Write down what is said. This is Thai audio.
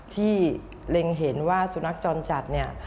ที่เร็งเห็นว่าศูนรักษณะจรจัด